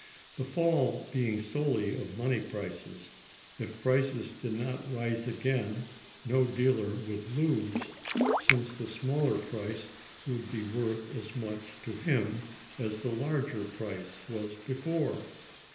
The fall being solely of money prices, if prices did not rise again no dealer would lose, since the smaller price would be worth as much to him as the larger price was before.